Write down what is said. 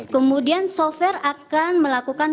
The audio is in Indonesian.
kemudian software akan melakukan